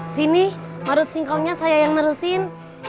sini marut singkongnya saya yang nerusin